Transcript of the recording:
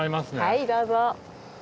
はいどうぞ。